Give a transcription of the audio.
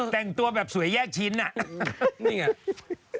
แต่งตัวแบบสวยแยกชิ้นครับ